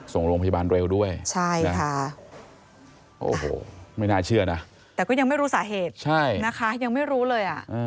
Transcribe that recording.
ส่งโรงพยาบาลเร็วด้วยใช่นะคะโอ้โหไม่น่าเชื่อนะแต่ก็ยังไม่รู้สาเหตุใช่นะคะยังไม่รู้เลยอ่ะ